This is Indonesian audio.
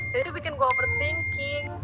jadi itu bikin gue overthinking